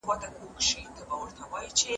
آيا ښه ښځه هغه ده چي مهر يې لږ وي؟